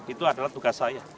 itu adalah tugas saya